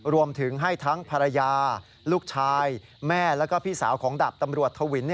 รวมถึงให้ทั้งภรรยาลูกชายแม่แล้วก็พี่สาวของดาบตำรวจทวิน